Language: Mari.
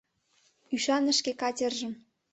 Ӱшаныш шке катержым.